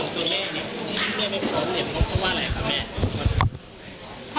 ส่วนตัวแม่ที่ที่แม่ไม่พร้อมเนี่ยเพราะว่าอะไรครับแม่